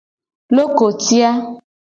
Lokoti a.